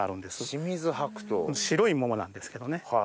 白い桃なんですけど。